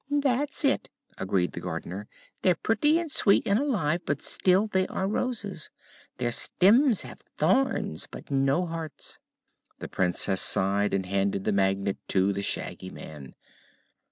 "That's it," agreed the Gardener. "They're pretty, and sweet, and alive; but still they are Roses. Their stems have thorns, but no hearts." The Princess sighed and handed the Magnet to the Shaggy Man.